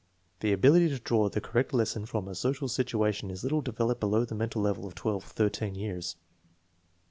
The ability to draw the correct lesson from a social situation is little developed below the mental level of 1 or 13 years.